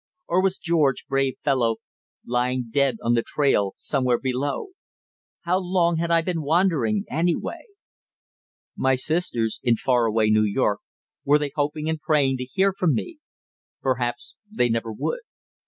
Or was George, brave fellow, lying dead on the trail somewhere below? How long had I been wandering, anyway... My sisters in far away New York, were they hoping and praying to hear from me? Perhaps they never would.